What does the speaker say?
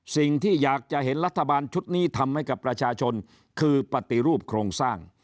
สิ่งที่อยากจะเห็นรัฐบาลชุดนี้ทำให้กับประชาชนคือปฏิรูปโครงสร้าง